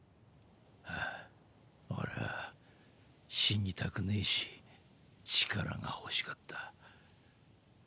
あぁ俺は死にたくねぇし力が欲しかった。